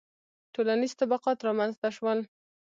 • ټولنیز طبقات رامنځته شول